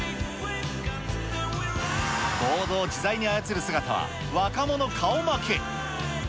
ボードを自在に操る姿は若者顔負け。